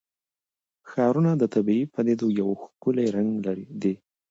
ښارونه د طبیعي پدیدو یو ښکلی رنګ دی.